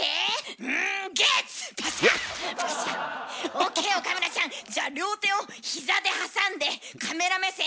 ＯＫ岡村ちゃん！じゃあ両手を膝で挟んでカメラ目線。